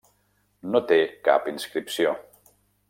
No té cap inscripció.